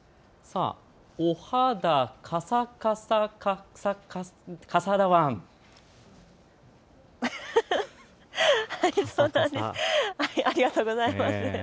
ありがとうございます。